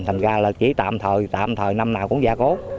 thành ra là chỉ tạm thời tạm thời năm nào cũng gia cố